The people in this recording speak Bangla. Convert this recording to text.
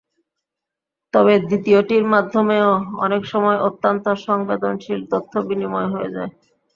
তবে দ্বিতীয়টির মাধ্যমেও অনেক সময় অত্যন্ত সংবেদনশীল তথ্য বিনিময় হয়ে যায়।